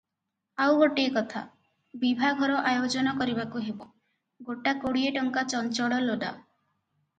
ଆଉ ଗୋଟିଏ କଥା- ବିଭାଘର ଆୟୋଜନ କରିବାକୁ ହେବ, ଗୋଟା କୋଡିଏ ଟଙ୍କା ଚଞ୍ଚଳ ଲୋଡା ।